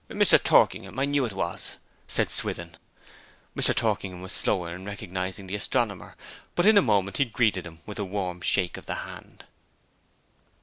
'Mr. Torkingham! I knew it was,' said Swithin. Mr. Torkingham was slower in recognizing the astronomer, but in a moment had greeted him with a warm shake of the hand.